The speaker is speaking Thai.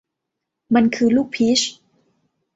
มันคือลูกพีช